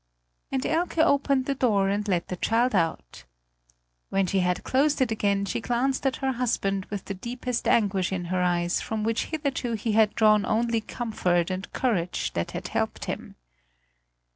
And Elke opened the door and let the child out. When she had closed it again, she glanced at her husband with the deepest anguish in her eyes from which hitherto he had drawn only comfort and courage that had helped him.